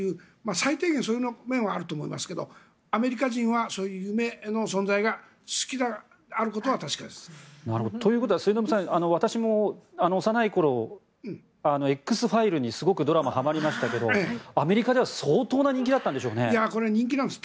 最低限その面はあると思いますがアメリカ人はそういう夢の存在が好きであることは確かです。ということは末延さん、私も幼い頃「Ｘ−ファイル」にすごくドラマ、はまりましたけどアメリカでは相当な人気だったんでしょうね。